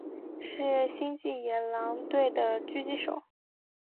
是星际野狼队的狙击手。